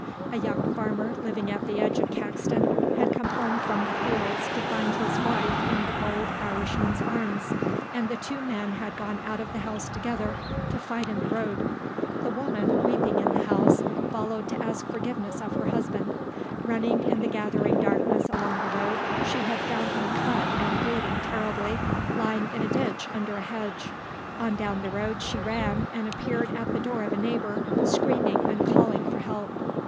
A young farmer living at the edge of Caxton had come home from the fields to find his wife in the bold Irishman's arms and the two men had gone out of the house together to fight in the road. The woman, weeping in the house, followed to ask forgiveness of her husband. Running in the gathering darkness along the road she had found him cut and bleeding terribly, lying in a ditch under a hedge. On down the road she ran and appeared at the door of a neighbour, screaming and calling for help.